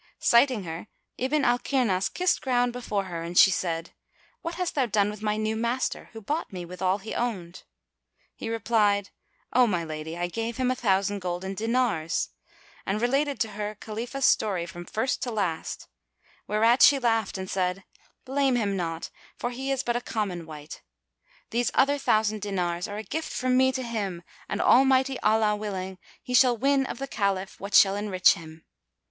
Sighting her Ibn al Kirnas kissed ground before her and she said, "What hast thou done with my new master, who bought me with all he owned?" He replied, "O my lady, I gave him a thousand golden dinars;" and related to her Khalifah's history from first to last, whereat she laughed and said, "Blame him not; for he is but a common wight. These other thousand dinars are a gift from me to him and Almighty Allah willing, he shall win of the Caliph what shall enrich him."